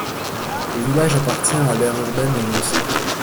Le village appartient à l'aire urbaine de Nancy.